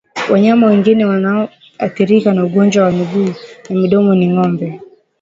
Wanyama wengine wanaoathirika na ugonjwa wa miguu na mdomo ni ngombe